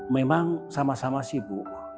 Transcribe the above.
memang sama sama sibuk